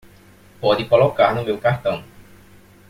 Pode colocar no meu cartão.